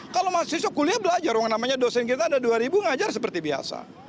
kalau mahasiswa kuliah belajar namanya dosen kita ada dua ribu ngajar seperti biasa